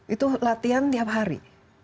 itu latihan tiap hari